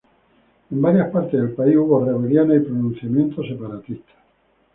En varias partes del país hubo rebeliones y pronunciamientos separatistas.